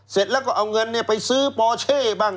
เสร็จแล้วก็เอาเงินไปซื้อปอเช่บ้าง